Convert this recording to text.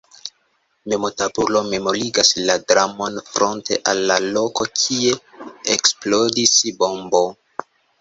Memortabulo memorigas la dramon fronte al la loko kie eksplodis bombo.